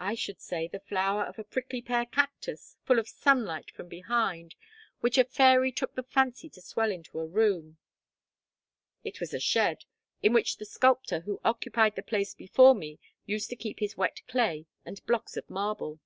"I should say, the flower of a prickly pear cactus, full of sunlight from behind, which a fairy took the fancy to swell into a room." "It was a shed, in which the sculptor who occupied the place before me used to keep his wet clay and blocks of marble."